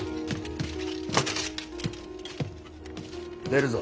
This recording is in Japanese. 出るぞ。